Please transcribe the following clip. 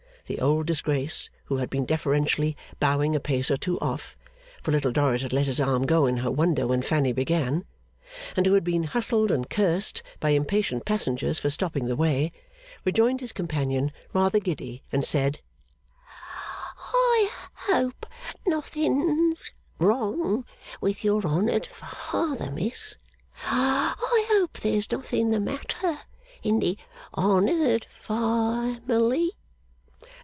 The old disgrace, who had been deferentially bowing a pace or two off (for Little Dorrit had let his arm go in her wonder, when Fanny began), and who had been hustled and cursed by impatient passengers for stopping the way, rejoined his companion, rather giddy, and said, 'I hope nothing's wrong with your honoured father, Miss? I hope there's nothing the matter in the honoured family?